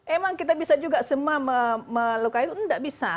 emang kita bisa juga semua melukai itu tidak bisa